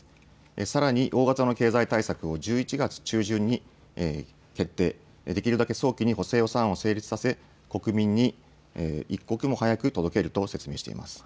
さらに、大型の経済対策を１１月中旬に決定、できるだけ早期に補正予算案を成立させ、国民に一刻も早く届けると説明しています。